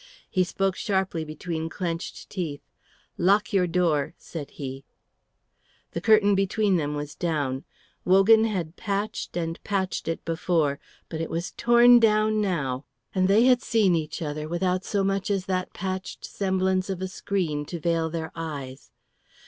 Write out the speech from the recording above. He spoke sharply between clenched teeth. "Lock your door," said he. The curtain between them was down. Wogan had patched and patched it before; but it was torn down now, and they had seen each other without so much as that patched semblance of a screen to veil their eyes.